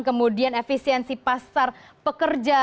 kemudian efisiensi pasar pekerja